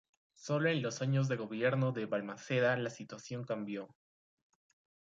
Sólo en los años de gobierno de Balmaceda la situación cambió.